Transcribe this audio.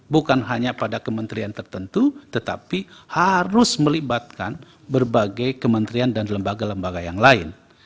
bukan hanya pada kementerian tertentu tetapi harus melibatkan berbagai kementerian dan lembaga lembaga yang lain